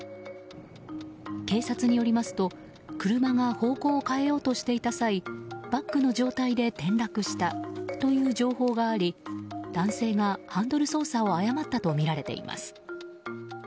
警察によりますと車が方向を変えようとしていた際バックの状態で転落したという情報があり男性がハンドル操作を誤ったとみられています。